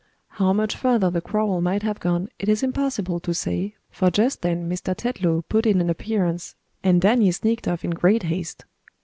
How much further the quarrel might have gone, it is impossible to say, for just then Mr. Tetlow put in an appearance, and Danny sneaked off in great haste.